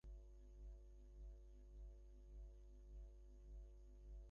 এত সংক্ষেপে যে আজ্ঞে মধুসূদনের একটুও ভালো লাগল না।